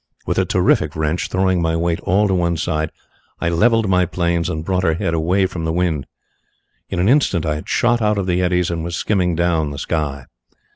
With a terrific wrench, throwing my weight all to one side, I levelled my planes and brought her head away from the wind. In an instant I had shot out of the eddies and was skimming down the sky.